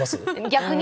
逆に。